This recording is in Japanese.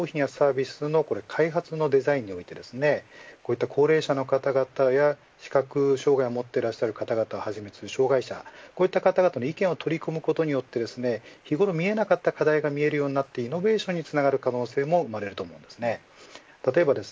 具体的には、商品やサービスの開発のデザインにおいてこういった高齢者の方々や視覚障害を持っていらっしゃる方々をはじめ、障害者こういった方々の意見を取り組むことによって日頃見えなかった課題が見えるようになってイノベーションにつながる可能性も生まれると思います。